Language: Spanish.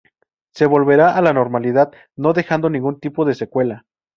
Se volverá a la normalidad no dejando ningún tipo de secuela.